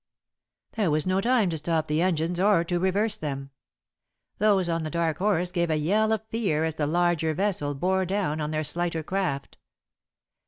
There was no time to stop the engines, or to reverse them. Those on The Dark Horse gave a yell of fear as the larger vessel bore down on their slighter craft.